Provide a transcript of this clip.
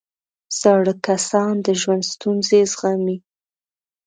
زاړه کسان د ژوند ستونزې زغمي